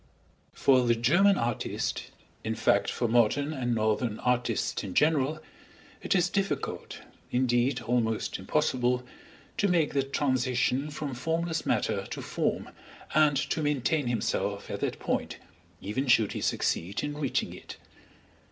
For the German artist, in fact for modern and northern artists in general, it is difficult indeed almost impossible to make the transition from formless matter to form, and to maintain himself at that point, even should he succeed in reaching it.